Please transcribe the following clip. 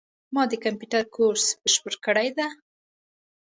ما د کامپیوټر کورس بشپړ کړی ده